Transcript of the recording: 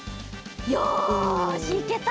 よしいけた！